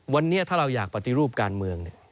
วันนี้ถ้าเราอยากปฏิรูปการเมือง